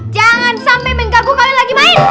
jangan sampai mengganggu kalian lagi main